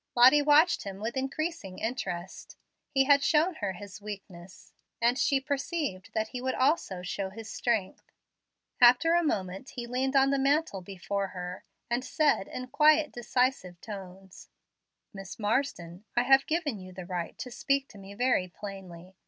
Lottie watched him with increasing interest. He had shown her his weakness, and she perceived that he would also show his strength. After a moment he leaned on the mantel before her, and said in quiet, decisive tones: "Miss Marsden, I have given you the right to speak to me very plainly.